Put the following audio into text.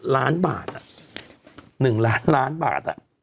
๑ล้านล้านบาท